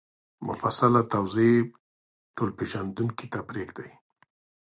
مفصله توضیح ټولنپېژندونکو ته پرېږدي